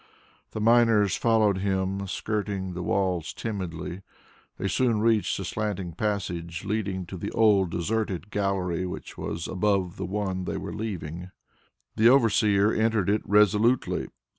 The miners followed him, skirting the walls timidly. They soon reached the slanting passage leading to the old deserted gallery, which was above the one they were leaving. The overseer entered it resolutely.